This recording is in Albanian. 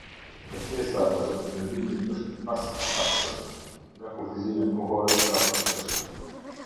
Kërkesa ose pretendimi është i pas-afatëshëm nga kufizimet kohore të aplikueshme.